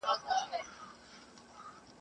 هره ورځ به زموږ خپلوان پکښي بندیږی !.